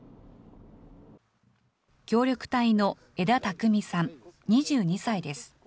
協力隊の枝拓未さん２２歳です。